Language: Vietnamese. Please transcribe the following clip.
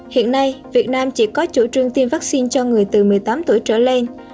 hiện nay việt nam chỉ có chủ trương tiêm vaccine cho người từ một mươi tám tuổi trở lên